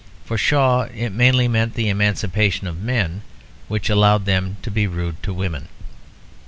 For Shaw it mainly meant the emancipation of men, which allowed them to be rude to women.